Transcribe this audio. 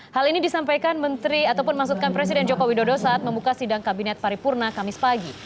hal ini disampaikan menteri ataupun maksudkan presiden joko widodo saat membuka sidang kabinet paripurna kamis pagi